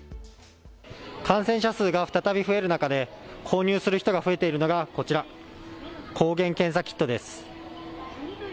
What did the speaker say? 感染者数が再び増える中で購入する人が増えているのがこちら、抗原検査キットです。